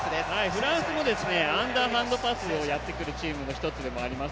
フランスもアンダーハンドパスをやってくるチームの１つでもあります。